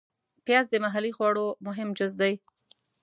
پیاز د محلي خواړو مهم جز دی